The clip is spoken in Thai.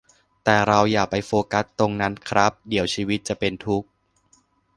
แต่เราอย่าไปโฟกัสตรงนั้นครับ เดี๋ยวชีวิตจะเป็นทุกข์